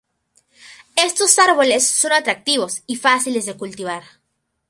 Estos árboles son atractivos y fáciles de cultivar.